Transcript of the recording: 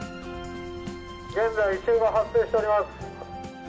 現在、異臭が発生しております。